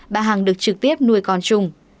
bà hằng được trực tiếp nuôi con chung